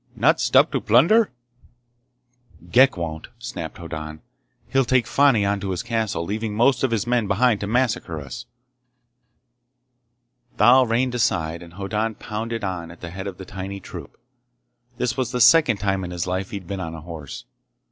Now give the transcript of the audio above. "Not stop to plunder?" "Ghek won't!" snapped Hoddan. "He'll take Fani on to his castle, leaving most of his men behind to massacre us!" Thal reined aside and Hoddan pounded on at the head of the tiny troop. This was the second time in his life he'd been on a horse.